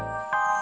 ya sudah capital